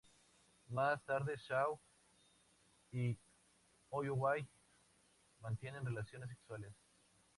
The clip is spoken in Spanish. Más tarde Shaw y Holloway mantienen relaciones sexuales.